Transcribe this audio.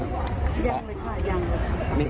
ยังไงค่ะยังไง